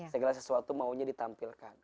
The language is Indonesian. segala sesuatu maunya ditampilkan